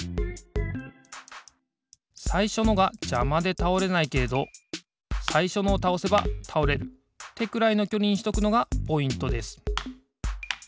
さいしょのがじゃまでたおれないけれどさいしょのをたおせばたおれるってくらいのきょりにしとくのがポイントです。